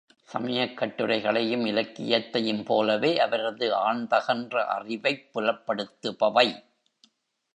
சமயக் கட்டுரைகளையும் இலக்கியத்தையும் போலவே அவரது ஆழ்ந்தகன்ற அறிவைப் புலப்படுத்துபவை.